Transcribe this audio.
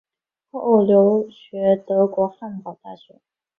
后留学德国汉堡大学。